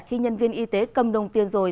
khi nhân viên y tế cầm đồng tiền rồi